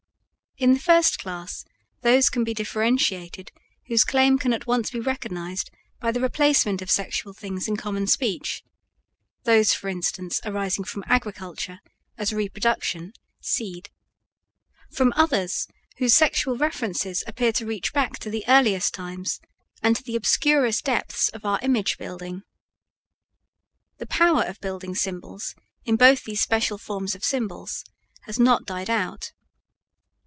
In the first class those can be differentiated whose claim can be at once recognized by the replacement of sexual things in common speech (those, for instance, arising from agriculture, as reproduction, seed) from others whose sexual references appear to reach back to the earliest times and to the obscurest depths of our image building. The power of building symbols in both these special forms of symbols has not died out.